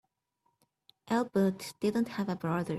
Albert didn't have a brother.